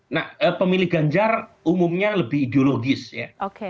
nah pemilih ganjar umumnya lebih ideologis ya